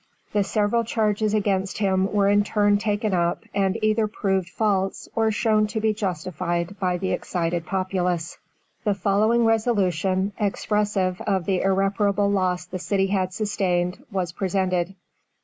The several charges against him were in turn taken up, and either proven false or shown to be justified by the excited populace. The following resolution expressive of the irreparable loss the city had sustained, was presented.